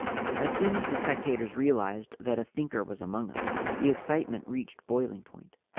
As soon as the spectators realized that a Thinker was among them, the excitement reached boiling point.